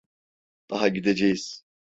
Daha gideceğiz…